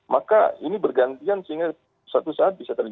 maka ini bergantian sehingga suatu saat bisa terjadi